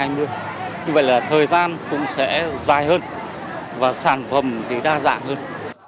như vậy là thời gian cũng sẽ dài hơn và sản phẩm thì đa dạng hơn